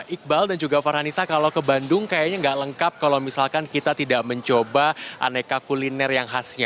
iqbal dan juga farhanisa kalau ke bandung kayaknya nggak lengkap kalau misalkan kita tidak mencoba aneka kuliner yang khasnya